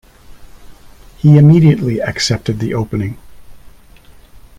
He immediately accepted the opening.